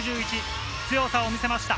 強さを見せました。